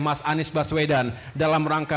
mas anies baswedan dalam rangka